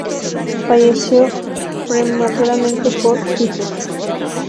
Falleció prematuramente por tifus.